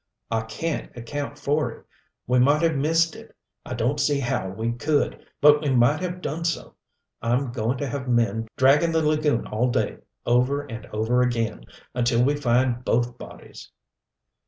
"I can't account for it. We might have missed it I don't see how we could, but we might have done so. I'm going to have men dragging the lagoon all day, over and over again until we find both bodies."